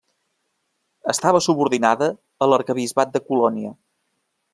Estava subordinada a l'Arquebisbat de Colònia.